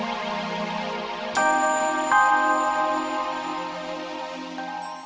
tante aku mau ke rumah